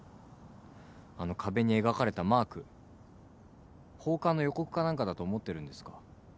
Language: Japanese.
あの壁に描かれたマーク放火の予告かなんかだと思ってるんですか？